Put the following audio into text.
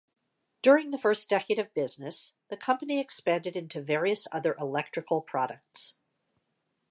During the first decade of business, the company expanded into various other electrical products.